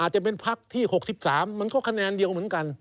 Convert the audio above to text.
จะเป็นพักที่๖๓มันก็คะแนนเดียวเหมือนกัน